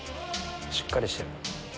しっかりしてる。